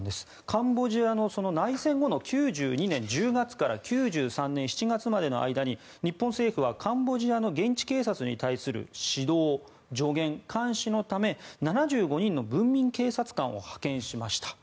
カンボジアの内戦後の９２年１０月から９３年７月までの間に日本政府はカンボジアの現地警察に対する指導、助言、監視のため７５人の文民警察官を派遣しました。